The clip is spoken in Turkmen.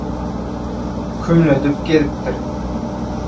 «hümledip» gezipdir.